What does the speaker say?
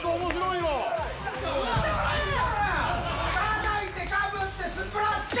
たたいて、かぶって、スプラッシュ。